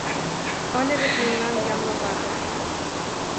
Ыле вет мемнан ямле пагыт